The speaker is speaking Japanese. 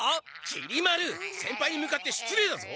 きり丸先輩に向かって失礼だぞ！